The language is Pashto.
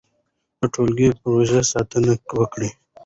د ټولګټو پروژو ساتنه وکړئ.